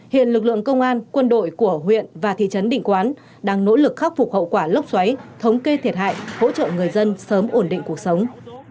hiện lực lượng công an quân đội của huyện và thị trấn định quán đang nỗ lực khắc phục hậu quả lốc xoáy thống kê thiệt hại hỗ trợ người dân sớm ổn định cuộc sống